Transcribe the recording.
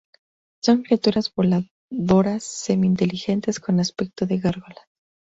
Son criaturas voladoras semi-inteligentes con aspecto de gárgolas.